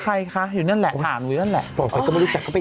ไปอีกหนึ่งข่าวข่าวของใครคะน้องคะ